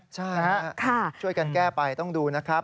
ใช่ช่วยกันแก้ไปต้องดูนะครับ